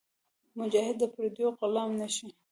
مجاهد د پردیو غلام نهشي.